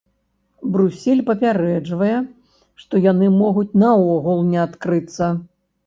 Брусэль папярэджвае, што яны могуць наогул не адкрыцца.